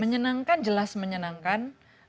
menyenangkan jelas menyenangkan